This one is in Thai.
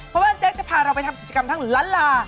เพราะว่าแจ๊กจะพาเราไปทำกิจกรรมทั้งล้านลา